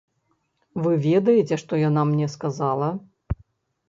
Вы ведаеце, што яна мне сказала.